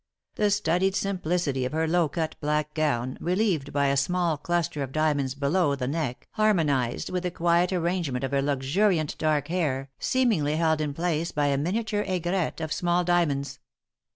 The studied simplicity of her low cut black gown, relieved by a small cluster of diamonds below the neck, harmonized with the quiet arrangement of her luxuriant, dark hair, seemingly held in place by a miniature aigrette of small diamonds.